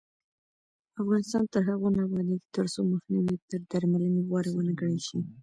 افغانستان تر هغو نه ابادیږي، ترڅو مخنیوی تر درملنې غوره ونه ګڼل شي.